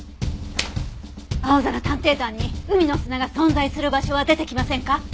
『あおぞら探偵団』に海の砂が存在する場所は出てきませんか？